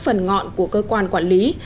phần ngọn của cơ quan quản lý